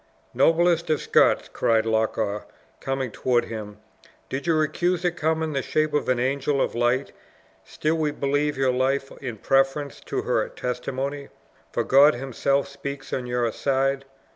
"Noblest of Scots!" cried Loch awe, coming toward him, "did your accuser come in the shape of an angel of light, still we believe your life in preference to her testimony, for God himself speaks on your side.